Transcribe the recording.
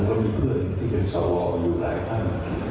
ก็มีเพื่อนที่เป็นสวอยู่หลายท่าน